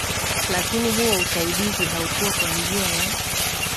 lakini huo usaidizi haukua kwa njia ya